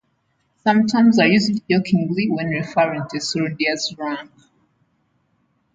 Some terms are used jokingly when referring to a soldier's rank.